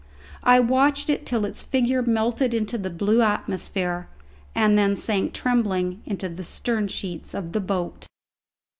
I watched it till its figure melted into the blue atmosphere, and then sank trembling into the sternsheets of the boat.